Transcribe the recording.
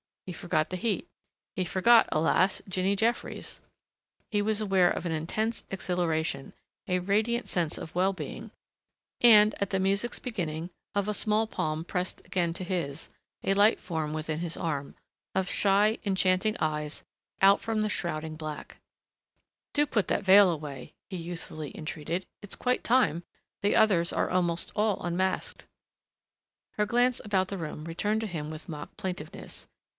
He forgot the heat. He forgot alas! Jinny Jeffries. He was aware of an intense exhilaration, a radiant sense of well being, and at the music's beginning of a small palm pressed again to his, a light form within his arm ... of shy, enchanting eyes out from the shrouding black. "Do put that veil away," he youthfully entreated. "It's quite time. The others are almost all unmasked." Her glance about the room returned to him with mock plaintiveness.